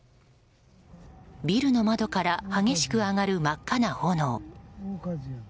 ビルの窓から激しく上がる真っ赤な炎。